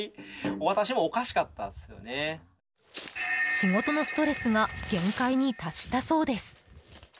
仕事のストレスが限界に達したそうです。